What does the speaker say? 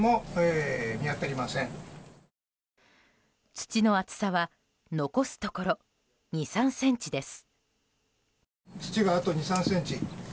土の厚さは残すところ２３ｃｍです。